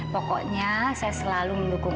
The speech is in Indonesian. pokoknya saya selalu mendukung